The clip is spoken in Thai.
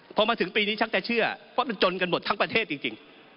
พอมาถึงปีนี้ชักจะเชื่อเพราะมันจนกันหมดทั้งประเทศจริง